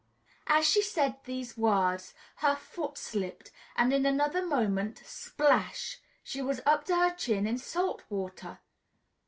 As she said these words, her foot slipped, and in another moment, splash! she was up to her chin in salt water.